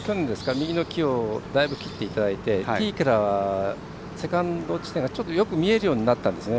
右の木をだいぶ切っていただいてティーからはセカンド地点がよく見えるようになったんですね。